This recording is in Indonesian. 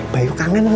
bayu kangen aku